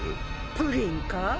プリンか？